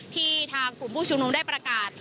ที่ทางกลุ่มผู้ชุมนุมได้ประกาศ